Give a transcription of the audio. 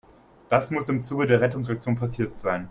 Das muss im Zuge der Rettungsaktion passiert sein.